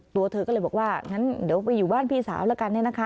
ตัวเธอก็เลยบอกว่างั้นเดี๋ยวไปอยู่บ้านพี่สาวแล้วกันเนี่ยนะคะ